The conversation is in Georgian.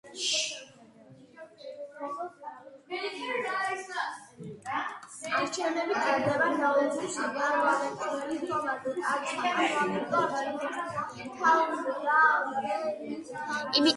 იმიტომ რომ ექვსიანი გვაქვს ათეულების ადგილას.